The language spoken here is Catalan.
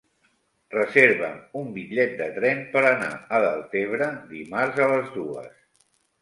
Reserva'm un bitllet de tren per anar a Deltebre dimarts a les dues.